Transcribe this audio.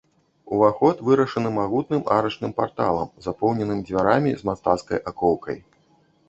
Уваход вырашаны магутным арачным парталам, запоўненым дзвярамі з мастацкай акоўкай.